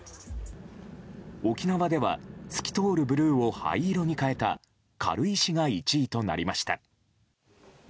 沖縄では透き通るブルーを灰色に変えた軽石が１位となりました。